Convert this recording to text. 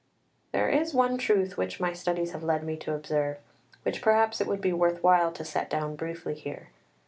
] XVII There is one truth which my studies have led me to observe, which perhaps it would be worth while to set down briefly here.